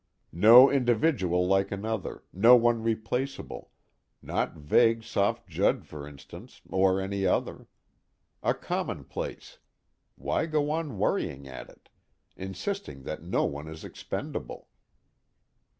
No individual like another, no one replaceable, not vague soft Judd for instance or any other. A commonplace: why go on worrying at it, insisting that no one is expendable?